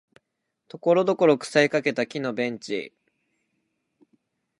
ところどころ腐りかけた木のベンチ